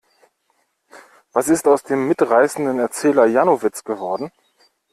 Was ist aus dem mitreißenden Erzähler Janowitz geworden?